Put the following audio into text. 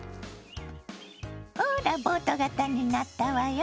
ほらボート型になったわよ。